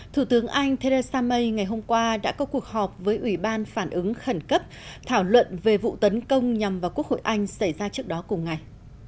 thủ tướng anh theresa may ngày hôm qua đã có cuộc họp với ủy ban phản ứng khẩn cấp thảo luận về vụ tấn công nhằm vào quốc hội anh xảy ra trước đó cùng ngày